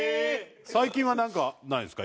最近はなんかないんですか？